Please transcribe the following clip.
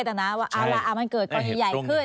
แต่นะว่าเอาล่ะมันเกิดกรณีใหญ่ขึ้น